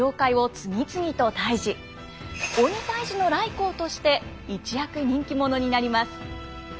鬼退治の頼光として一躍人気者になります。